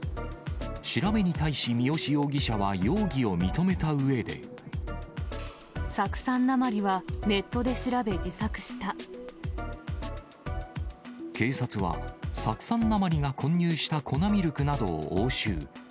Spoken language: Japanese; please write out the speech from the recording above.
調べに対し、酢酸鉛はネットで調べ、警察は、酢酸鉛が混入した粉ミルクなどを押収。